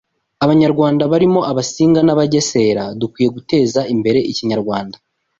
Abanyarwanda barimo Abasinga n’Abagesera Dukwiye guteza imbere Ikinyarwanda